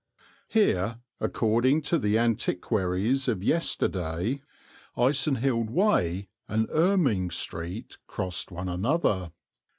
Here, according to the antiquaries of yesterday, Icenhilde Way and Erming Street crossed one another.